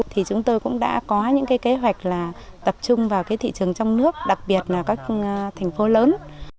thì chúng tôi cũng đã có những kế hoạch tập trung vào thị trường trong nước đặc biệt là các thành phố lớn